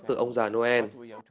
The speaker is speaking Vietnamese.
từ ông già noel